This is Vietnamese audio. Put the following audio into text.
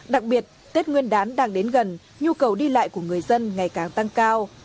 đặc biệt tết nguyên đán đang đến gần nhu cầu đi lại của người dân ngày càng tăng cao